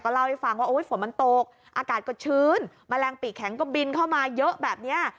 เล่าให้ฟังว่าฝนมันตกอากาศก็ชื้นแมลงปีกแข็งก็บินเข้ามาเยอะแบบนี้